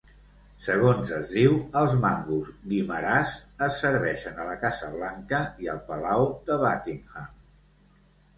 Segons es diu, els mangos Guimaras es serveixen a la Casa Blanca i al Palau de Buckingham.